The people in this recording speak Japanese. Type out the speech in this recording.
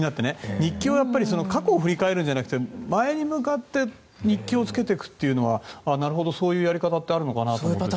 日記は過去を振り返るんじゃなくて前に向かって日記をつけていくというのはそういうやり方ってあるのかと。